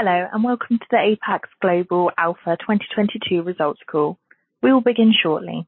Hello, and welcome to the Apax Global Alpha 2022 results call. We will begin shortly.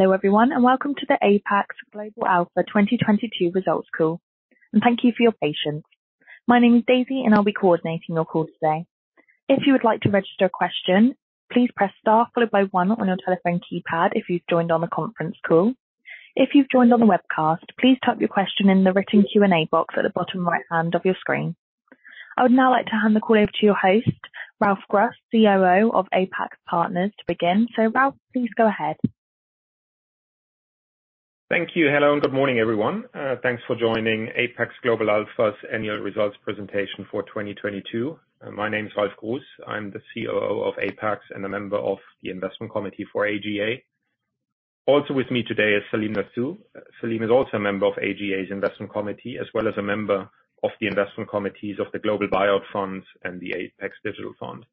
Hello, everyone, and welcome to the Apax Global Alpha 2022 results call. Thank you for your patience. My name is Daisy, and I'll be coordinating your call today. If you would like to register a question, please press Star followed by one on your telephone keypad if you've joined on the conference call. If you've joined on the webcast, please type your question in the written Q&A box at the bottom right-hand of your screen. I would now like to hand the call over to your host, Ralf Gruss, COO of Apax Partners, to begin. Ralf, please go ahead. Thank you. Hello, good morning, everyone. Thanks for joining Apax Global Alpha's annual results presentation for 2022. My name is Ralf Gruss. I'm the COO of Apax and a member of the investment committee for AGA. Also with me today is Salim Nathoo. Salim is also a member of AGA's investment committee, as well as a member of the investment committees of the Global Buyout Fund and the Apax Digital Fund.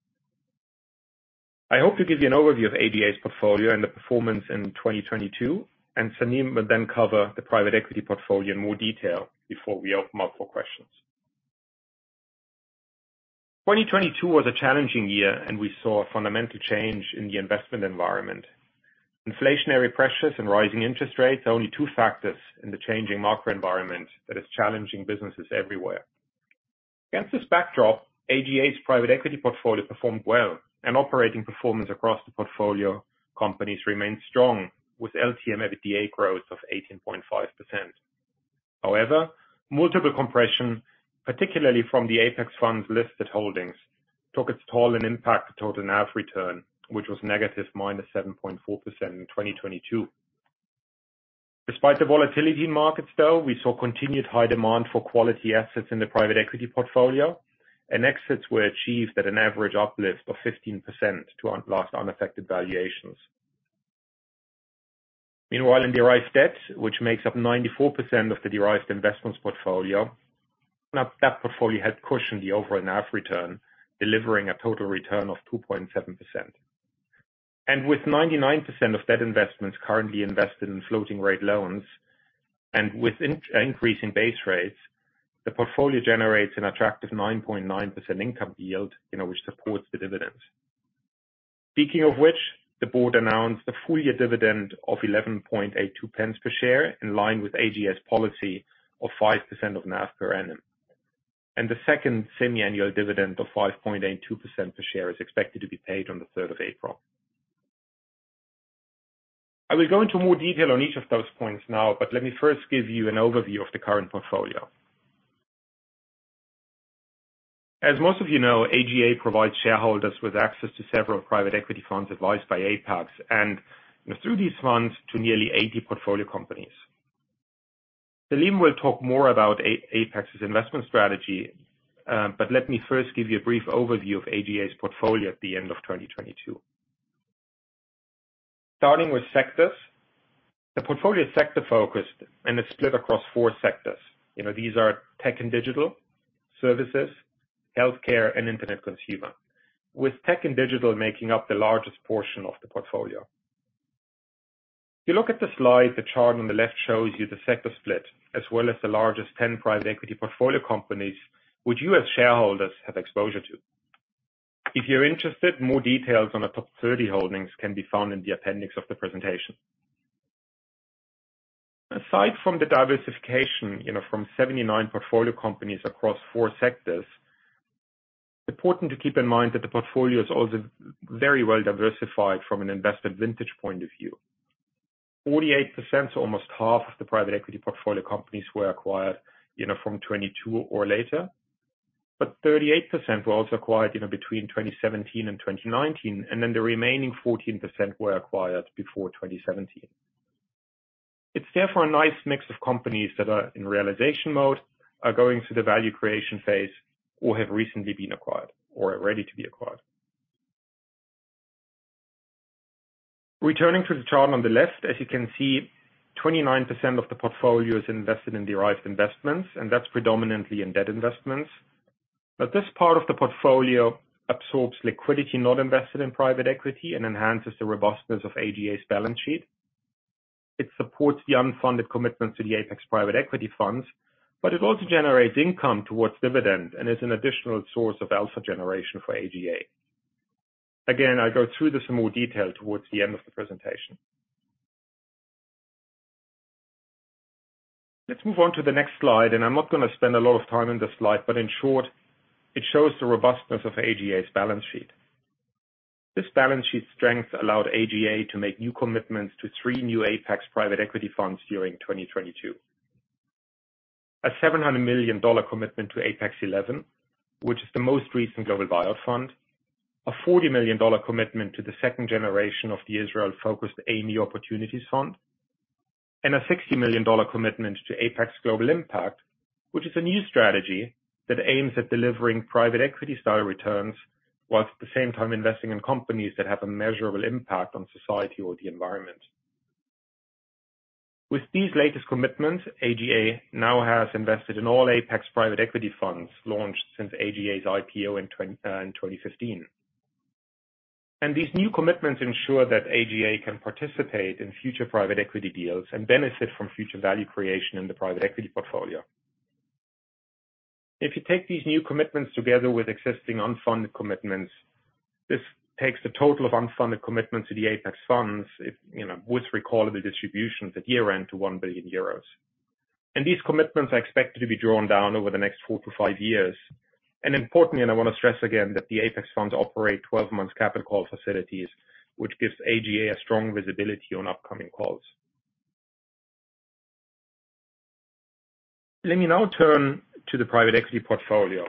I hope to give you an overview of AGA's portfolio and the performance in 2022. Salim will then cover the private equity portfolio in more detail before we open up for questions. 2022 was a challenging year. We saw a fundamental change in the investment environment. Inflationary pressures and rising interest rates are only two factors in the changing market environment that is challenging businesses everywhere. Against this backdrop, AGA's private equity portfolio performed well, and operating performance across the portfolio companies remained strong, with LTM EBITDA growth of 18.5%. Multiple compression, particularly from the Apax funds listed holdings, took its toll and impacted total NAV return, which was negative minus 7.4% in 2022. Despite the volatility in markets though, we saw continued high demand for quality assets in the private equity portfolio, and exits were achieved at an average uplift of 15% to last unaffected valuations. In derived debt, which makes up 94% of the derived investments portfolio, now that portfolio has cushioned the overall NAV return, delivering a total return of 2.7%. With 99% of debt investments currently invested in floating rate loans, and with increasing base rates, the portfolio generates an attractive 9.9% income yield, you know, which supports the dividends. Speaking of which, the board announced a full year dividend of 11.82 pence per share, in line with AGA's policy of 5% of NAV per annum. The second semiannual dividend of 5.82% per share is expected to be paid on the 3rd of April. I will go into more detail on each of those points now, but let me first give you an overview of the current portfolio. As most of you know, AGA provides shareholders with access to several private equity funds advised by Apax, and through these funds to nearly 80 portfolio companies. Salim will talk more about Apax's investment strategy. Let me first give you a brief overview of AGA's portfolio at the end of 2022. Starting with sectors. The portfolio is sector-focused. It's split across four sectors. You know, these are tech and digital, services, healthcare, and internet consumer, with tech and digital making up the largest portion of the portfolio. If you look at the slide, the chart on the left shows you the sector split, as well as the largest 10 private equity portfolio companies, which you as shareholders have exposure to. If you're interested, more details on the top 30 holdings can be found in the appendix of the presentation. Aside from the diversification, you know, from 79 portfolio companies across four sectors, important to keep in mind that the portfolio is also very well diversified from an investment vintage point of view. 48% of the private equity portfolio companies were acquired, you know, from 2022 or later, 38% were also acquired, you know, between 2017 and 2019, the remaining 14% were acquired before 2017. It's therefore a nice mix of companies that are in realization mode, are going through the value creation phase, or have recently been acquired or are ready to be acquired. Returning to the chart on the left, as you can see, 29% of the portfolio is invested in Derived Investments, and that's predominantly in debt investments. This part of the portfolio absorbs liquidity not invested in private equity and enhances the robustness of AGA's balance sheet. It supports the unfunded commitment to the Apax private equity funds, it also generates income towards dividend and is an additional source of alpha generation for AGA. Again, I go through this in more detail towards the end of the presentation. Let's move on to the next slide, and I'm not gonna spend a lot of time on this slide, but in short, it shows the robustness of AGA's balance sheet. This balance sheet strength allowed AGA to make new commitments to three new Apax private equity funds during 2022. A $700 million commitment to Apax XI, which is the most recent Global Buyout fund, a $40 million commitment to the second generation of the Israel-focused AMI Opportunities Fund, and a $60 million commitment to Apax Global Impact, which is a new strategy that aims at delivering private equity style returns, while at the same time investing in companies that have a measurable impact on society or the environment. With these latest commitments, AGA now has invested in all Apax private equity funds launched since AGA's IPO in 2015. These new commitments ensure that AGA can participate in future private equity deals and benefit from future value creation in the private equity portfolio. If you take these new commitments together with existing unfunded commitments, this takes the total of unfunded commitments to the Apax funds, you know, with recall of the distributions at year-end to 1 billion euros. These commitments are expected to be drawn down over the next four to five years. Importantly, and I want to stress again that the Apax funds operate 12 months capital facilities, which gives AGA a strong visibility on upcoming calls. Let me now turn to the private equity portfolio.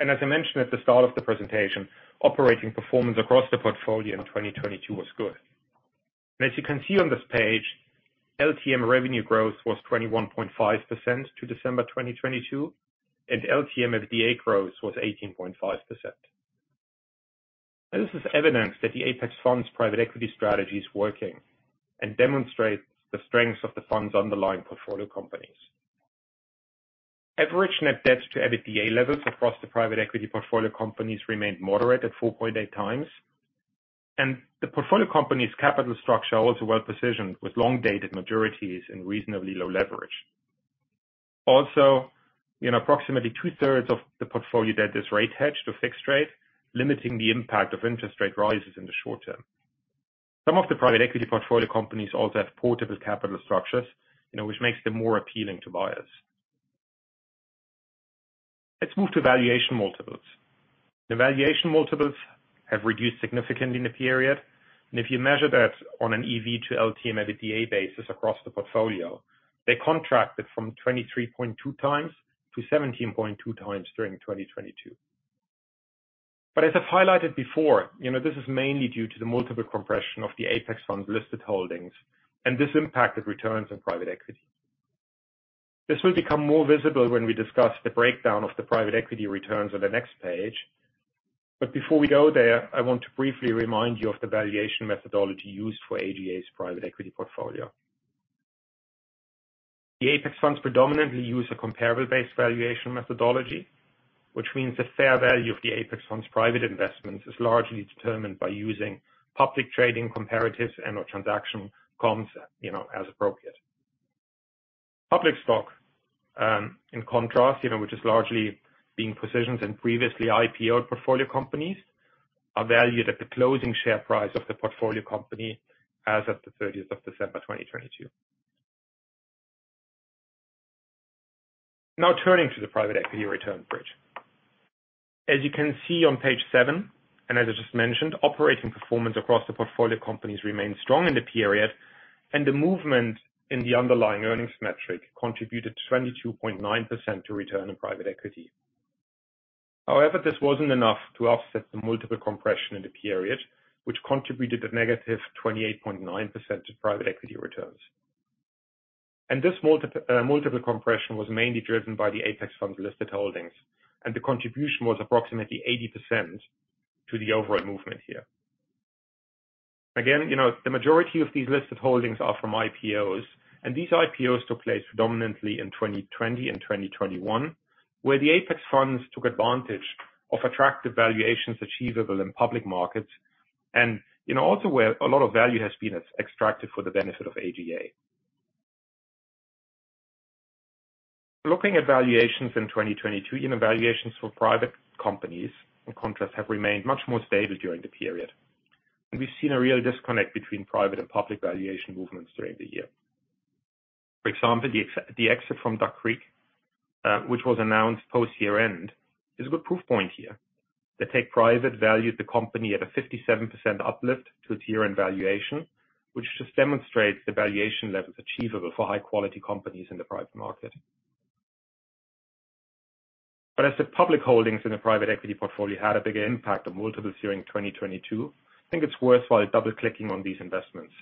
As I mentioned at the start of the presentation, operating performance across the portfolio in 2022 was good. As you can see on this page, LTM revenue growth was 21.5% to December 2022, and LTM EBITDA growth was 18.5%. This is evidence that the Apax Funds private equity strategy is working and demonstrates the strength of the fund's underlying portfolio companies. Average net debt to EBITDA levels across the private equity portfolio companies remained moderate at 4.8x. The portfolio company's capital structure also well-positioned, with long-dated maturities and reasonably low leverage. Also, approximately two-thirds of the portfolio debt is rate hedged to fixed rate, limiting the impact of interest rate rises in the short term. Some of the private equity portfolio companies also have portable capital structures, you know, which makes them more appealing to buyers. Let's move to valuation multiples. The valuation multiples have reduced significantly in the period. If you measure that on an EV/LTM EBITDA basis across the portfolio, they contracted from 23.2x-17.2x during 2022. As I've highlighted before, you know, this is mainly due to the multiple compression of the Apax Funds listed holdings. This impacted returns on private equity. This will become more visible when we discuss the breakdown of the private equity returns on the next page. Before we go there, I want to briefly remind you of the valuation methodology used for AGA's private equity portfolio. The Apax Funds predominantly use a comparable-based valuation methodology, which means the fair value of the Apax Funds' private investments is largely determined by using public trading comparatives and/or transaction comps, you know, as appropriate. Public stock, in contrast, you know, which is largely being positioned in previously IPO portfolio companies, are valued at the closing share price of the portfolio company as of December 30, 2022. Now turning to the private equity return bridge. As you can see on page seven, and as I just mentioned, operating performance across the portfolio companies remained strong in the period, and the movement in the underlying earnings metric contributed 22.9% to return on private equity. However, this wasn't enough to offset the multiple compression in the period, which contributed a -28.9% to private equity returns. This multiple compression was mainly driven by the Apax Funds listed holdings, and the contribution was approximately 80% to the overall movement here. You know, the majority of these listed holdings are from IPOs. These IPOs took place predominantly in 2020 and 2021, where the Apax Funds took advantage of attractive valuations achievable in public markets, you know, also where a lot of value has been extracted for the benefit of AGA. Looking at valuations in 2022, you know, valuations for private companies, in contrast, have remained much more stable during the period. We've seen a real disconnect between private and public valuation movements during the year. For example, the exit from Duck Creek, which was announced post year-end, is a good proof point here. The take private valued the company at a 57% uplift to its year-end valuation, which just demonstrates the valuation levels achievable for high-quality companies in the private market. As the public holdings in the private equity portfolio had a bigger impact on multiples during 2022, I think it's worthwhile double-clicking on these investments.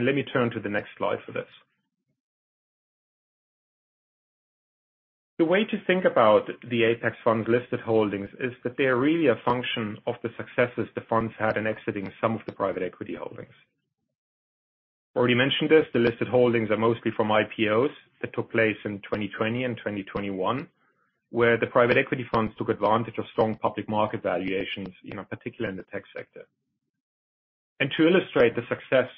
Let me turn to the next slide for this. The way to think about the Apax Fund listed holdings is that they are really a function of the successes the funds had in exiting some of the private equity holdings. Already mentioned this, the listed holdings are mostly from IPOs that took place in 2020 and 2021, where the private equity funds took advantage of strong public market valuations, you know, particularly in the tech sector. To illustrate the success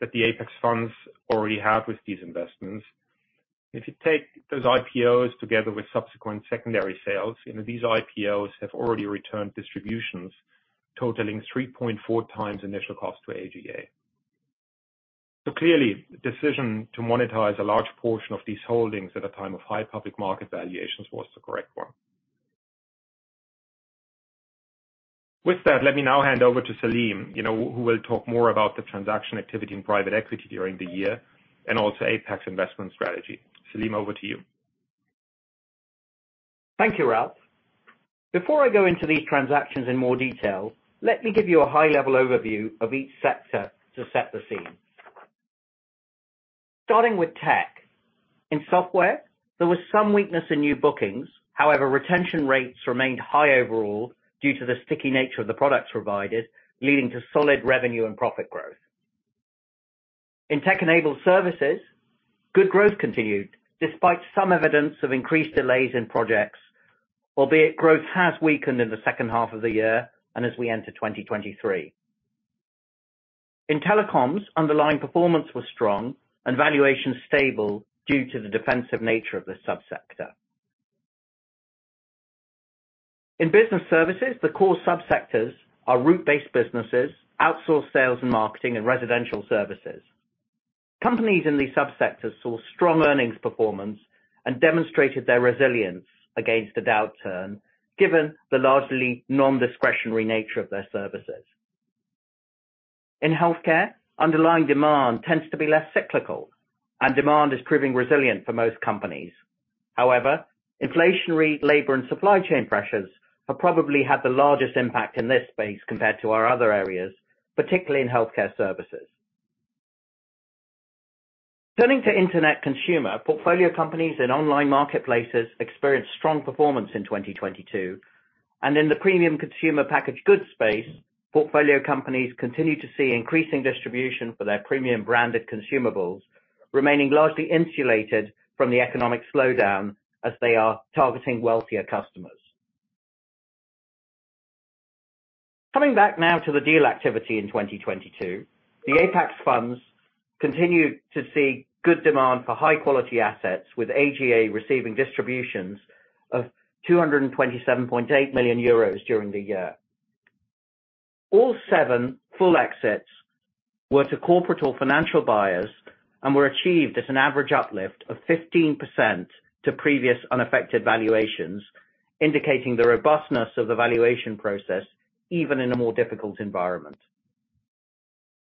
that the Apax funds already have with these investments, if you take those IPOs together with subsequent secondary sales, you know, these IPOs have already returned distributions totaling 3.4x initial cost to AGA. Clearly, the decision to monetize a large portion of these holdings at a time of high public market valuations was the correct one. With that, let me now hand over to Salim, you know, who will talk more about the transaction activity in private equity during the year and also Apax investment strategy. Salim, over to you. Thank you, Ralf. Before I go into these transactions in more detail, let me give you a high-level overview of each sector to set the scene. Starting with tech. In software, there was some weakness in new bookings. Retention rates remained high overall due to the sticky nature of the products provided, leading to solid revenue and profit growth. In tech-enabled services, good growth continued despite some evidence of increased delays in projects, albeit growth has weakened in the second half of the year and as we enter 2023. In telecoms, underlying performance was strong and valuation stable due to the defensive nature of this subsector. In business services, the core subsectors are route-based businesses, outsourced sales and marketing, and residential services. Companies in these subsectors saw strong earnings performance and demonstrated their resilience against the downturn, given the largely non-discretionary nature of their services. In healthcare, underlying demand tends to be less cyclical and demand is proving resilient for most companies. However, inflationary labor and supply chain pressures have probably had the largest impact in this space compared to our other areas, particularly in healthcare services. Turning to internet consumer, portfolio companies in online marketplaces experienced strong performance in 2022, and in the premium consumer packaged goods space, portfolio companies continued to see increasing distribution for their premium branded consumables, remaining largely insulated from the economic slowdown as they are targeting wealthier customers. Coming back now to the deal activity in 2022, the Apax Funds continued to see good demand for high-quality assets, with AGA receiving distributions of 227.8 million euros during the year. All seven full exits were to corporate or financial buyers and were achieved at an average uplift of 15% to previous unaffected valuations, indicating the robustness of the valuation process even in a more difficult environment.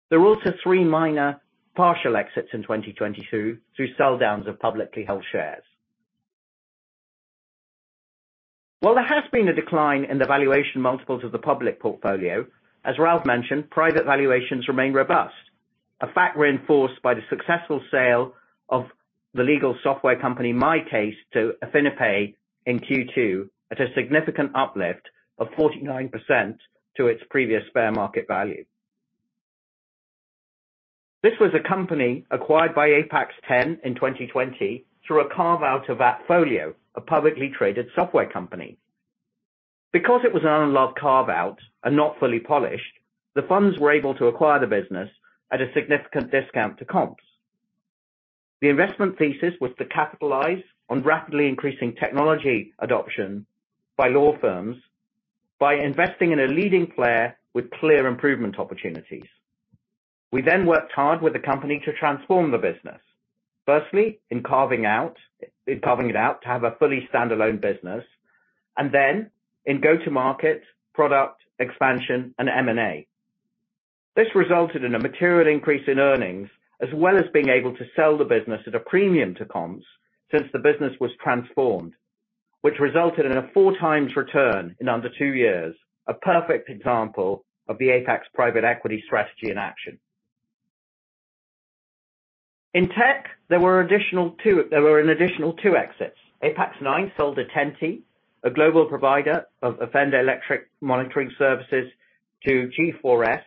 There were also three minor partial exits in 2022 through sell downs of publicly held shares. While there has been a decline in the valuation multiples of the public portfolio, as Ralf mentioned, private valuations remain robust. A fact reinforced by the successful sale of the legal software company, MyCase, to AffiniPay in Q2 at a significant uplift of 49% to its previous fair market value. This was a company acquired by Apax X in 2020 through a carve-out of AppFolio, a publicly traded software company. Because it was an unloved carve-out and not fully polished, the funds were able to acquire the business at a significant discount to comps. The investment thesis was to capitalize on rapidly increasing technology adoption by law firms by investing in a leading player with clear improvement opportunities. We worked hard with the company to transform the business. Firstly, in carving it out to have a fully stand-alone business and then in go-to-market, product expansion and M&A. This resulted in a material increase in earnings, as well as being able to sell the business at a premium to comps since the business was transformed, which resulted in a four times return in under two years. A perfect example of the Apax private equity strategy in action. In tech, there were an additional two exits. Apax IX sold Attenti, a global provider of offender electronic monitoring services to G4S,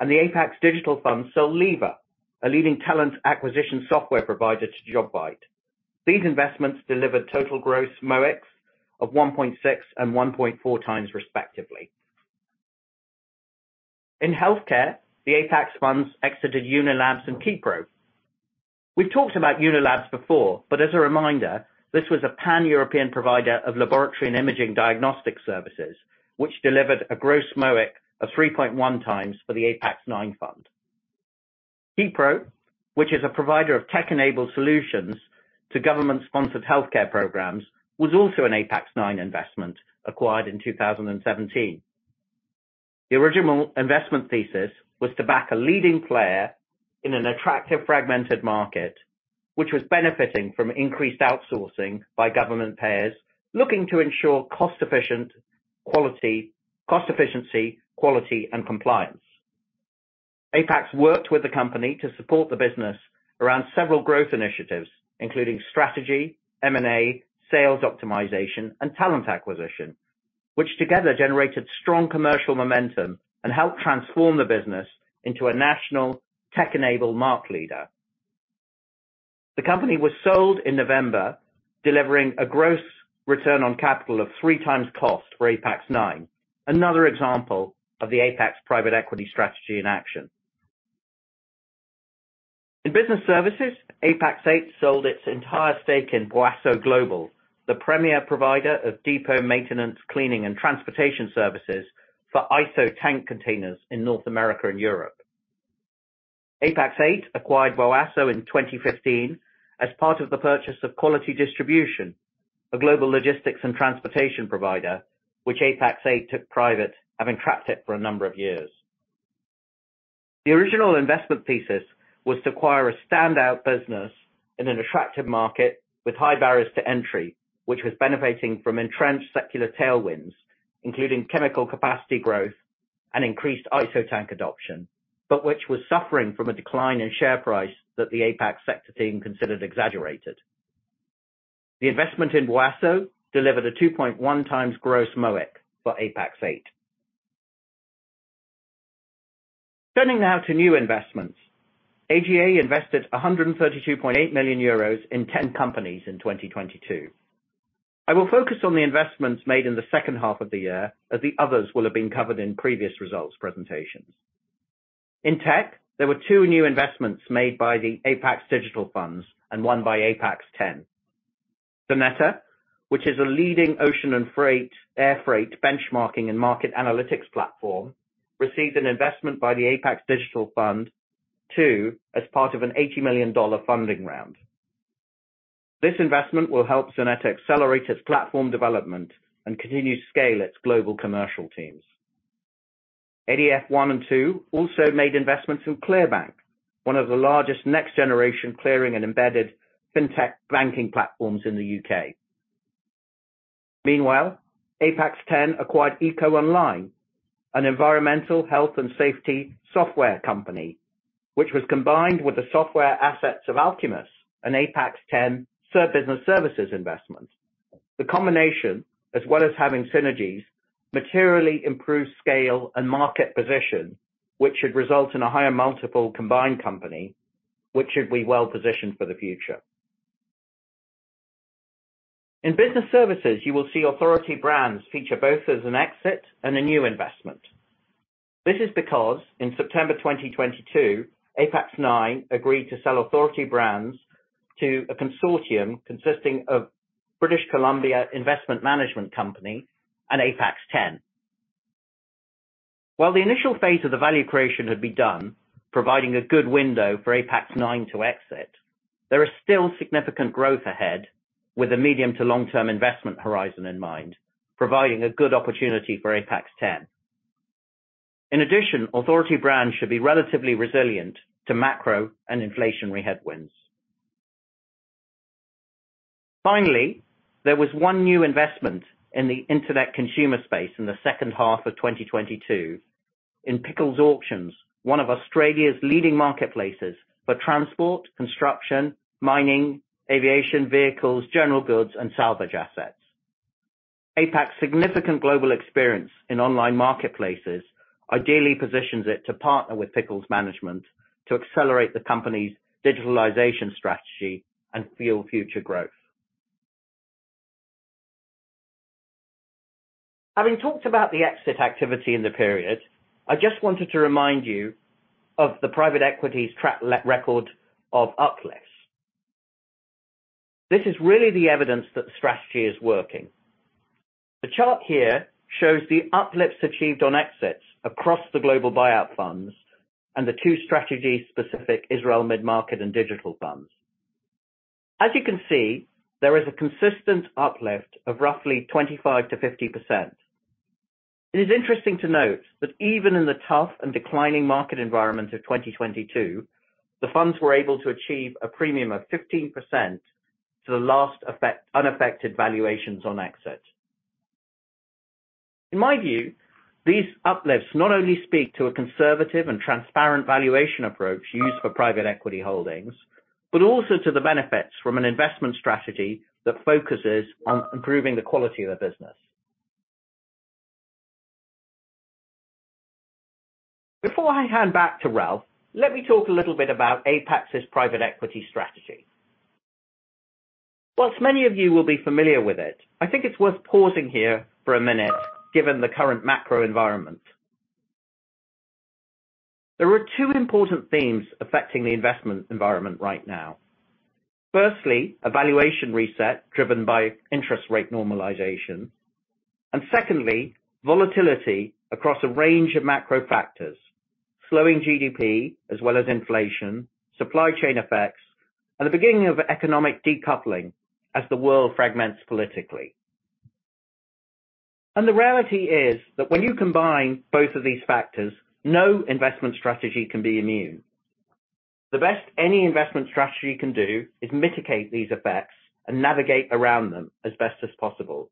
and the Apax Digital Fund sold Lever, a leading talent acquisition software provider, to Jobvite. These investments delivered total gross MOICs of 1.6x and 1.4x respectively. In healthcare, the Apax funds exited Unilabs and Kepro. We've talked about Unilabs before, but as a reminder, this was a Pan-European provider of laboratory and imaging diagnostic services, which delivered a gross MOIC of 3.1xfor the Apax IX fund. Kepro, which is a provider of tech-enabled solutions to government-sponsored healthcare programs, was also an Apax IX investment acquired in 2017. The original investment thesis was to back a leading player in an attractive fragmented market, which was benefiting from increased outsourcing by government payers looking to ensure cost efficiency, quality and compliance. Apax worked with the company to support the business around several growth initiatives, including strategy, M&A, sales optimization and talent acquisition which together generated strong commercial momentum and helped transform the business into a national tech-enabled market leader. The company was sold in November, delivering a gross return on capital of 3x cost for Apax IX, another example of the Apax private equity strategy in action. In business services, Apax VIII sold its entire stake in Boasso Global, the premier provider of depot maintenance, cleaning and transportation services for ISO tank containers in North America and Europe. Apax VIII acquired Boasso in 2015 as part of the purchase of Quality Distribution, a global logistics and transportation provider, which Apax VIII took private, having tracked it for a number of years. The original investment thesis was to acquire a standout business in an attractive market with high barriers to entry, which was benefiting from entrenched secular tailwinds, including chemical capacity growth and increased ISO tank adoption, but which was suffering from a decline in share price that the Apax sector team considered exaggerated. The investment in Boasso delivered a 2.1x gross MOIC for Apax VIII. Turning now to new investments. AGA invested 132.8 million euros in 10 companies in 2022. I will focus on the investments made in the second half of the year as the others will have been covered in previous results presentations. In tech, there were two new investments made by the Apax Digital Funds and one by Apax X. Xeneta, which is a leading ocean and air freight benchmarking and market analytics platform, received an investment by the Apax Digital Fund II as part of an $80 million funding round. This investment will help Xeneta accelerate its platform development and continue to scale its global commercial teams. ADF I and II also made investments in ClearBank, one of the largest next generation clearing and embedded fintech banking platforms in the U.K. Apax X acquired EcoOnline, an environmental health and safety software company, which was combined with the software assets of Alcumus, an Apax X business services investment. The combination, as well as having synergies, materially improves scale and market position, which should result in a higher multiple combined company, which should be well positioned for the future. In business services, you will see Authority Brands feature both as an exit and a new investment. This is because in September 2022, Apax IX agreed to sell Authority Brands to a consortium consisting of British Columbia Investment Management Corporation and Apax X. While the initial phase of the value creation had been done, providing a good window for Apax IX to exit, there is still significant growth ahead with a medium to long-term investment horizon in mind, providing a good opportunity for Apax X. In addition, Authority Brands should be relatively resilient to macro and inflationary headwinds. There was one new investment in the internet consumer space in the second half of 2022 in Pickles Auctions, one of Australia's leading marketplaces for transport, construction, mining, aviation vehicles, general goods and salvage assets. Apax significant global experience in online marketplaces ideally positions it to partner with Pickles Management to accelerate the company's digitalization strategy and fuel future growth. Having talked about the exit activity in the period, I just wanted to remind you of the private equity's track record of uplifts. This is really the evidence that the strategy is working. The chart here shows the uplifts achieved on exits across the global buyout funds and the two strategy-specific Israel mid-market and digital funds. As you can see, there is a consistent uplift of roughly 25%-50%. It is interesting to note that even in the tough and declining market environment of 2022, the funds were able to achieve a premium of 15% to the last unaffected valuations on exit. In my view, these uplifts not only speak to a conservative and transparent valuation approach used for private equity holdings, but also to the benefits from an investment strategy that focuses on improving the quality of the business. Before I hand back to Ralf, let me talk a little bit about Apax's private equity strategy. Whilst many of you will be familiar with it, I think it's worth pausing here for a minute, given the current macro environment. There are two important themes affecting the investment environment right now. Firstly, a valuation reset driven by interest rate normalization. Secondly, volatility across a range of macro factors, slowing GDP as well as inflation, supply chain effects, and the beginning of economic decoupling as the world fragments politically. The reality is that when you combine both of these factors, no investment strategy can be immune. The best any investment strategy can do is mitigate these effects and navigate around them as best as possible.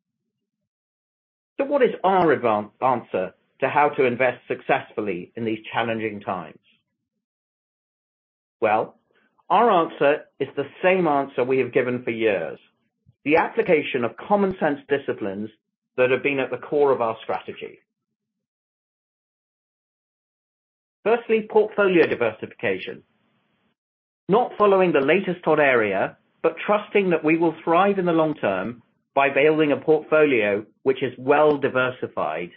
What is our answer to how to invest successfully in these challenging times? Our answer is the same answer we have given for years. The application of common sense disciplines that have been at the core of our strategy. Firstly, portfolio diversification. Not following the latest hot area, but trusting that we will thrive in the long term by building a portfolio which is well diversified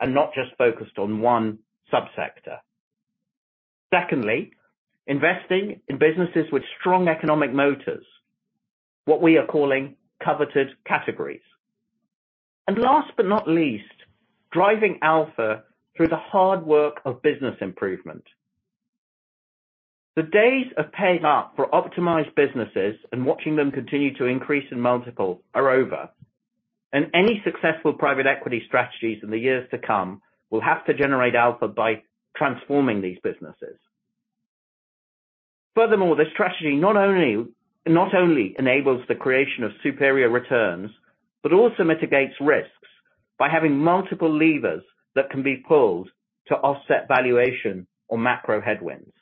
and not just focused on one subsector. Secondly, investing in businesses with strong economic motors. What we are calling coveted categories. Last but not least, driving alpha through the hard work of business improvement. The days of paying up for optimized businesses and watching them continue to increase in multiple are over. Any successful private equity strategies in the years to come will have to generate alpha by transforming these businesses. This strategy not only enables the creation of superior returns, but also mitigates risks by having multiple levers that can be pulled to offset valuation or macro headwinds.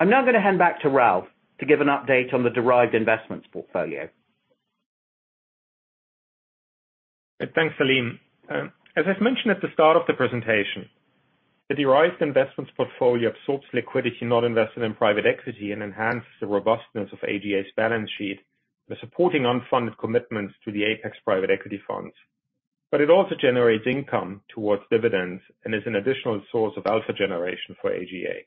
I'm now going to hand back to Ralf Gruss to give an update on the Derived Investments portfolio. Thanks, Salim. As I mentioned at the start of the presentation, the Derived Investments portfolio absorbs liquidity not invested in private equity and enhances the robustness of AGA's balance sheet by supporting unfunded commitments to the Apax private equity funds. It also generates income towards dividends and is an additional source of alpha generation for AGA.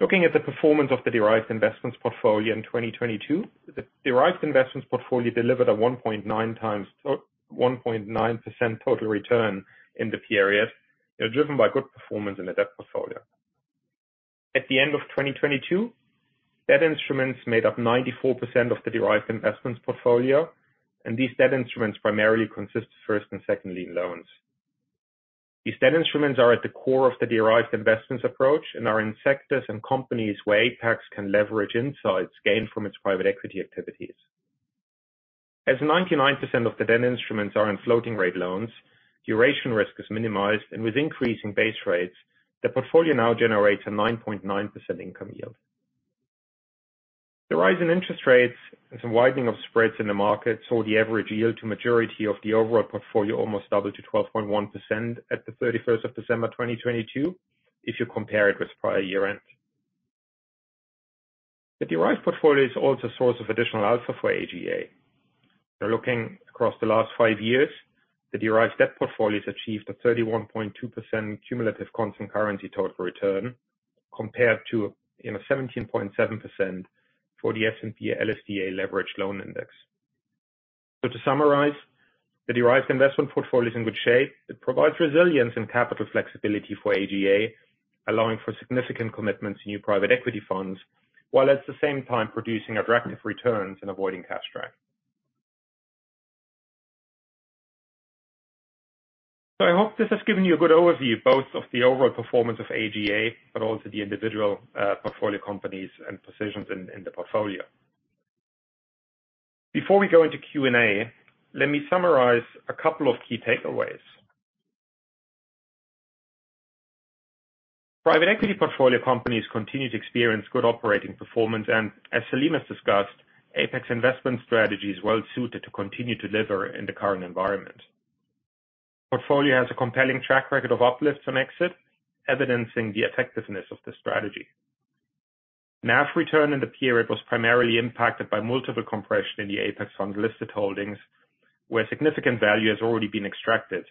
Looking at the performance of the Derived Investments portfolio in 2022, the Derived Investments portfolio delivered a 1.9% total return in the period, driven by good performance in the debt portfolio. At the end of 2022, debt instruments made up 94% of the Derived Investments portfolio. These debt instruments primarily consist of first and second lien loans. These debt instruments are at the core of the Derived Investments approach and are in sectors and companies where Apax can leverage insights gained from its private equity activities. As 99% of the debt instruments are in floating rate loans, duration risk is minimized, and with increasing base rates, the portfolio now generates a 9.9% income yield. The rise in interest rates and some widening of spreads in the market saw the average yield to maturity of the overall portfolio almost double to 12.1% at the 31st of December 2022 if you compare it with prior year-end. The Derived portfolio is also a source of additional alpha for AGA. Looking across the last five years, the Derived Debt portfolio has achieved a 31.2% cumulative constant currency total return compared to, you know, 17.7% for the S&P/LSTA Leveraged Loan Index. To summarize, the Derived Investments portfolio is in good shape. It provides resilience and capital flexibility for AGA, allowing for significant commitments in new private equity funds, while at the same time producing attractive returns and avoiding cash drag. I hope this has given you a good overview both of the overall performance of AGA, but also the individual portfolio companies and positions in the portfolio. Before we go into Q&A, let me summarize a couple of key takeaways. Private equity portfolio companies continue to experience good operating performance, and as Salim has discussed, Apax investment strategy is well suited to continue to deliver in the current environment. Portfolio has a compelling track record of uplifts on exit, evidencing the effectiveness of the strategy. NAV return in the period was primarily impacted by multiple compression in the Apax fund-listed holdings, where significant value has already been extracted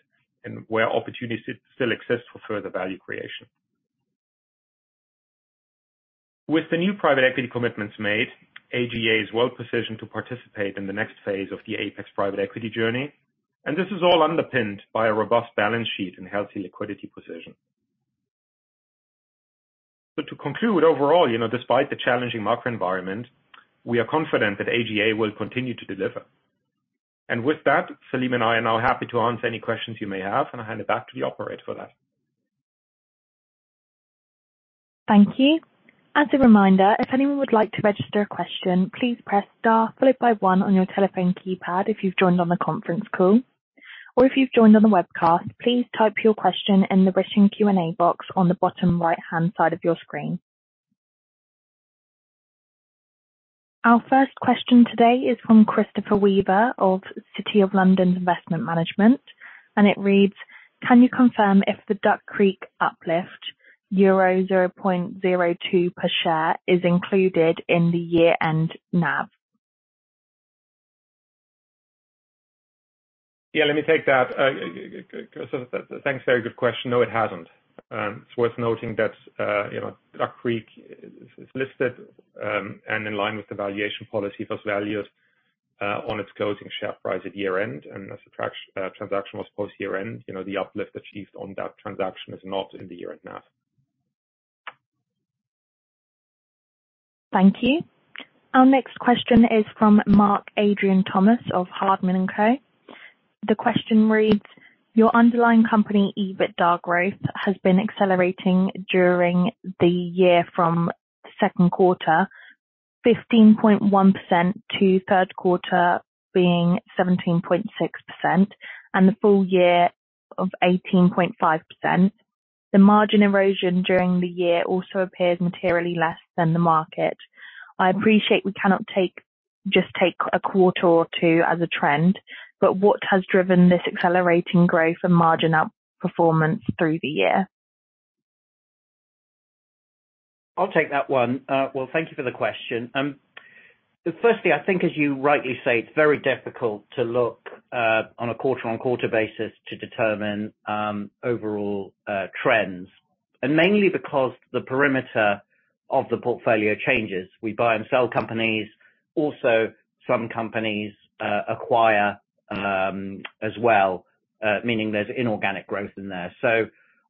and where opportunities still exist for further value creation. This is all underpinned by a robust balance sheet and healthy liquidity position. To conclude, overall, you know, despite the challenging macro environment, we are confident that AGA will continue to deliver. With that, Salim and I are now happy to answer any questions you may have, and I hand it back to the operator for that. Thank you. As a reminder, if anyone would like to register a question, please press star followed by one on your telephone keypad if you've joined on the conference call, or if you've joined on the webcast, please type your question in the written Q&A box on the bottom right-hand side of your screen. Our first question today is from Christopher Weaver of City of London Investment Management. It reads: Can you confirm if the Duck Creek uplift, euro 0.02 per share, is included in the year-end NAV? Yeah, let me take that. Thanks. Very good question. No, it hasn't. It's worth noting that, you know, Duck Creek is listed, and in line with the valuation policy for values, on its closing share price at year-end and as the transaction was post year-end, you know, the uplift achieved on that transaction is not in the year-end NAV. Thank you. Our next question is from Mark Adrian Thomas of Hardman & Co. The question reads: Your underlying company, EBITDAR growth, has been accelerating during the year from second quarter, 15.1% to third quarter being 17.6% and the full year of 18.5%. The margin erosion during the year also appears materially less than the market. I appreciate we cannot just take a quarter or two as a trend, what has driven this accelerating growth and margin outperformance through the year? I'll take that one. Well, thank you for the question. Firstly, I think, as you rightly say, it's very difficult to look on a quarter-on-quarter basis to determine overall trends, mainly because the perimeter of the portfolio changes. We buy and sell companies. Also, some companies acquire as well, meaning there's inorganic growth in there.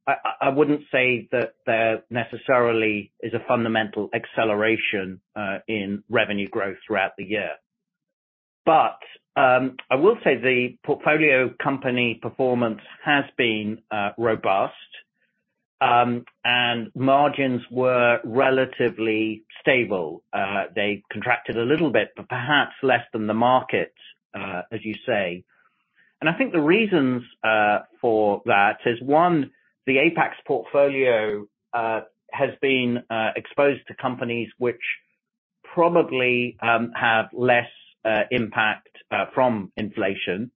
I wouldn't say that there necessarily is a fundamental acceleration in revenue growth throughout the year. I will say the portfolio company performance has been robust, and margins were relatively stable. They contracted a little bit, but perhaps less than the market, as you say. I think the reasons for that is, one, the Apax portfolio has been exposed to companies which probably have less impact from inflation.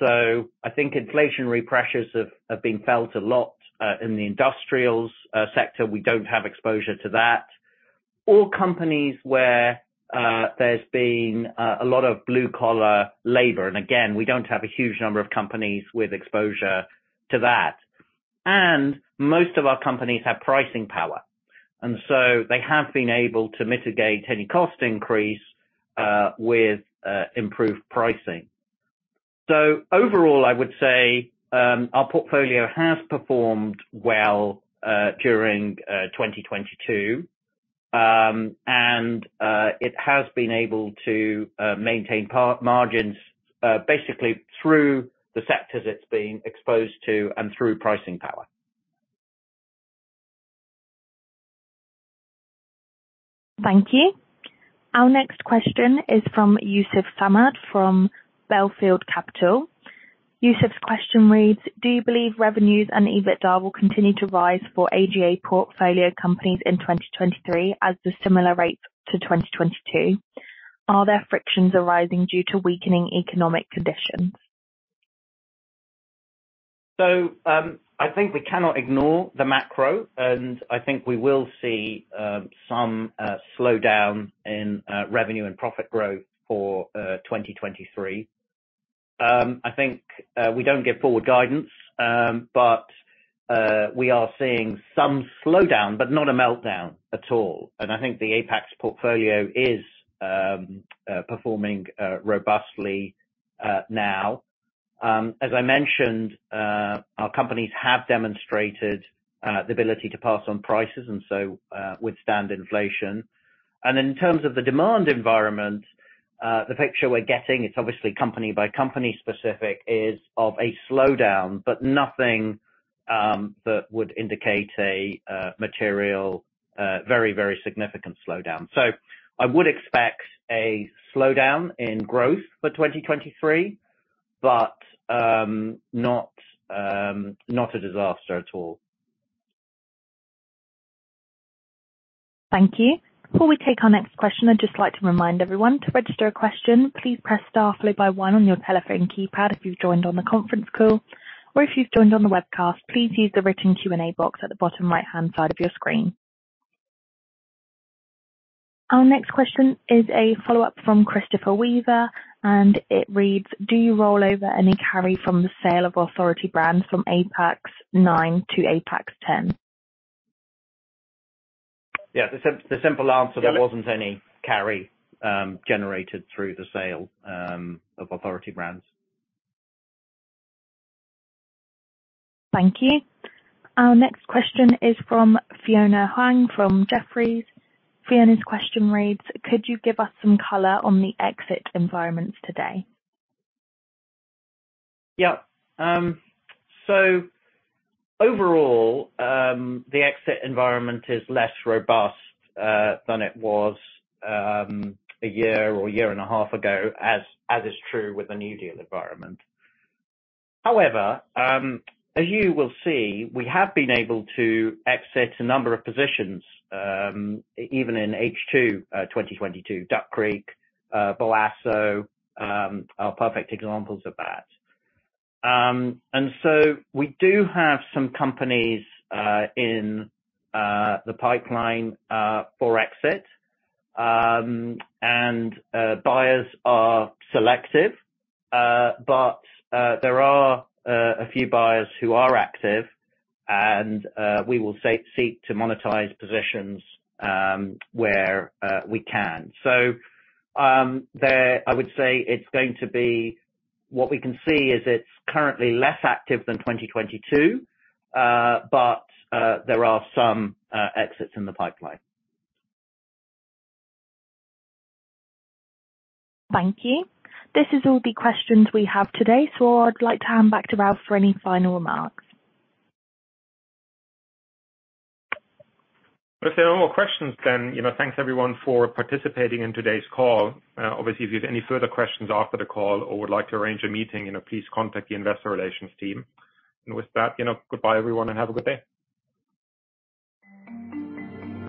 I think inflationary pressures have been felt a lot in the industrials sector. We don't have exposure to that. All companies where there's been a lot of blue-collar labor, and again, we don't have a huge number of companies with exposure to that. Most of our companies have pricing power, and so they have been able to mitigate any cost increase with improved pricing. Overall, I would say, our portfolio has performed well during 2022. It has been able to maintain margins basically through the sectors it's been exposed to and through pricing power. Thank you. Our next question is from Yusuf Samad, from Bellfield Capital. Yusuf's question reads: Do you believe revenues and EBITDA will continue to rise for AGA portfolio companies in 2023 as the similar rates to 2022? Are there frictions arising due to weakening economic conditions? I think we cannot ignore the macro, and I think we will see some slowdown in revenue and profit growth for 2023. I think we don't give forward guidance, but we are seeing some slowdown, but not a meltdown at all. I think the Apax portfolio is performing robustly now. As I mentioned, our companies have demonstrated the ability to pass on prices and so withstand inflation. In terms of the demand environment, the picture we're getting, it's obviously company by company specific, is of a slowdown, but nothing that would indicate a material, very, very significant slowdown. I would expect a slowdown in growth for 2023, but not a disaster at all. Thank you. Before we take our next question, I'd just like to remind everyone to register a question, please press star followed by one on your telephone keypad if you've joined on the conference call, or if you've joined on the webcast, please use the written Q&A box at the bottom right-hand side of your screen. Our next question is a follow-up from Christopher Weaver. It reads: Do you roll over any carry from the sale of Authority Brands from Apax IX to Apax X? Yeah. The simple answer, there wasn't any carry, generated through the sale, of Authority Brands. Thank you. Our next question is from Fiona Huang, from Jefferies. Fiona's question reads: Could you give us some color on the exit environments today? Yeah. So overall, the exit environment is less robust than it was a year or a year and a half ago, as is true with the new deal environment. However, as you will see, we have been able to exit a number of positions even in H2, 2022. Duck Creek, Vela Software are perfect examples of that. We do have some companies in the pipeline for exit. Buyers are selective, but there are a few buyers who are active and we will seek to monetize positions where we can. There, I would say what we can see is it's currently less active than 2022, but there are some exits in the pipeline. Thank you. This is all the questions we have today. I'd like to hand back to Ralf for any final remarks. If there are no more questions, then, you know, thanks, everyone, for participating in today's call. Obviously, if you have any further questions after the call or would like to arrange a meeting, you know, please contact the investor relations team. With that, you know, goodbye, everyone, and have a good day.